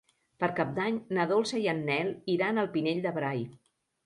Per Cap d'Any na Dolça i en Nel iran al Pinell de Brai.